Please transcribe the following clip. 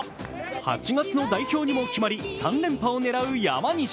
８月の代表にも決まり３連覇を狙う山西。